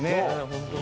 本当に。